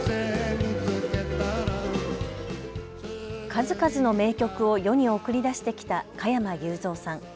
数々の名曲を世に送り出してきた加山雄三さん。